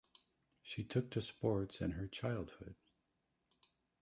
She took to sports in her childhood.